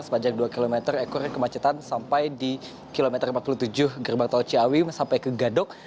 sepanjang dua km ekor kemacetan sampai di kilometer empat puluh tujuh gerbang tol ciawi sampai ke gadok